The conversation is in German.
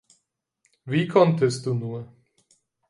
Wie konntest du nur!